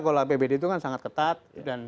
kalau apbd itu kan sangat ketat dan